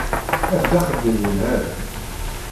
Af-d axeddim yelhan.